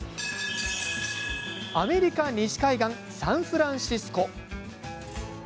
アメリカ西海岸サンフランシスコ。